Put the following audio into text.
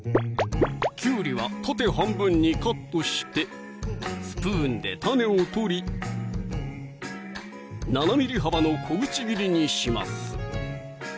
きゅうりは縦半分にカットしてスプーンで種を取り７ｍｍ幅の小口切りにします